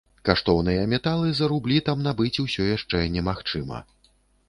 Каштоўныя металы за рублі там набыць усё яшчэ немагчыма.